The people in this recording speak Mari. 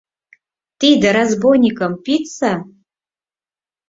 Тиде разбойникым пидса!